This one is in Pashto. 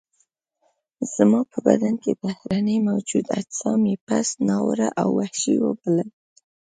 زما په بدن کې بهرني موجود اجسام یې پست، ناوړه او وحشي وبلل.